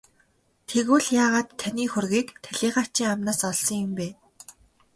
Тэгвэл яагаад таны хөрөгийг талийгаачийн амнаас олсон юм бэ?